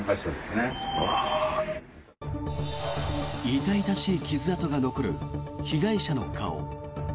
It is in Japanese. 痛々しい傷跡が残る被害者の顔。